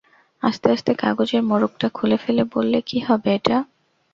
আস্তে আস্তে কাগজের মোড়কটা খুলে ফেলে বললে, কী হবে এটা?